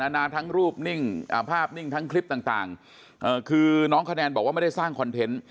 นานาทั้งรูปนิ่งภาพนิ่งทั้งคลิปต่างคือน้องคะแนนบอกว่าไม่ได้สร้างคอนเทนต์